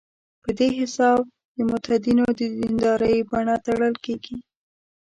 په دې حساب د متدینو د دیندارۍ بڼه تړل کېږي.